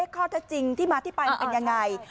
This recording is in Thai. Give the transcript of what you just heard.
ข้อเท็จจริงที่มาที่ไปมันเป็นยังไง